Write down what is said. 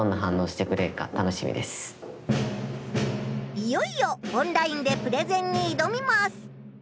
いよいよオンラインでプレゼンにいどみます！